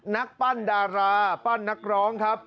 นักปั้นดาราปั้นนักร้องครับ